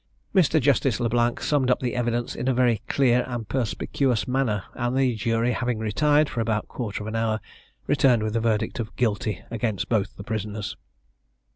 Mr. Justice Le Blanc summed up the evidence in a very clear and perspicuous manner, and the jury having retired for about a quarter of an hour, returned with a verdict of Guilty against both the prisoners.